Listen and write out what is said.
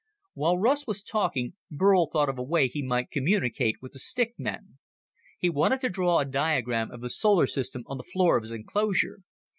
While Russ was talking, Burl thought of a way he might communicate with the stick men. He wanted to draw a diagram of the solar system on the floor of his enclosure.